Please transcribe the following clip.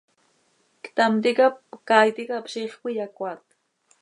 Ctam ticap caay ticap ziix cöiyacoaat.